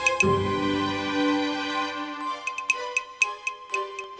ikuti udah sampai sekarang